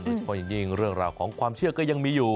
โดยเฉพาะอย่างยิ่งเรื่องราวของความเชื่อก็ยังมีอยู่